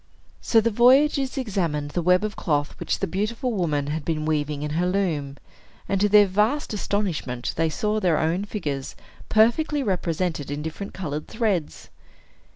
So the voyagers examined the web of cloth which the beautiful woman had been weaving in her loom; and, to their vast astonishment, they saw their own figures perfectly represented in different colored threads.